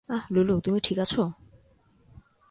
আহ, লুলু, তুমি ঠিক আছো?